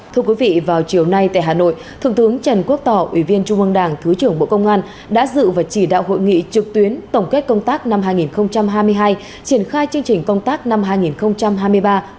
thưa quý vị vào chiều nay tại hà nội thượng tướng trần quốc tỏ ủy viên trung ương đảng thứ trưởng bộ công an đã dự và chỉ đạo hội nghị trực tuyến tổng kết công tác năm hai nghìn hai mươi hai triển khai chương trình công tác năm hai nghìn hai mươi ba